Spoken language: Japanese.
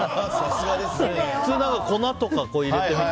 普通なら粉とか入れて。